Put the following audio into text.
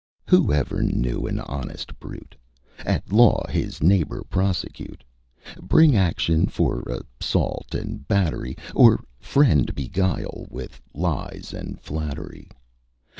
Whoever knew an honest brute, At law his neighbour prosecute, Bring action for assault and battery, Or friend beguile with lies and flattery?